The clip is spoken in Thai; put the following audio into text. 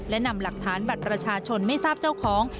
และนำหลักฐานบัตรประชาชนไม่ทราบเจ้าของ